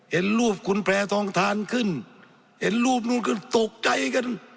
เห็นรูปคุณแพร่ทองทานขึ้นเห็นรูปนู่นขึ้นตกใจกัน